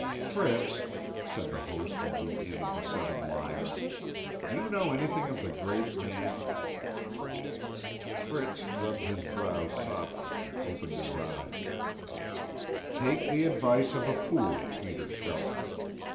"Fritz," said the host of the inn of The Seven Liars, "do you know anything of the great man?" Fritz rubbed his brows softly and opened his eyes. "Take the advice of a fool, Peter Schelt.